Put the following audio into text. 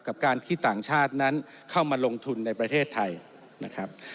กับการที่ต่างชาตินั้นเข้ามาลงทุนในประเทศไทยนะครับ